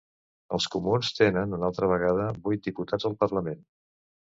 Els comuns tenen una altra vegada vuit diputats al Parlament.